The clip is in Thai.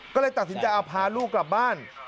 ก็เลยตัดสินใจเอาพาลูกกลับบ้าน